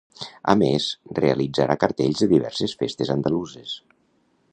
A més, realitzarà cartells de diverses festes andaluses.